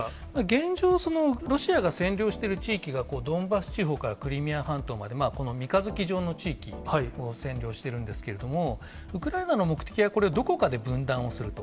現状、ロシアが占領している地域がドンバス地方からクリミア半島まで、この三日月状の地域を占領してるんですけども、ウクライナの目的は、これをどこかで分断をすると。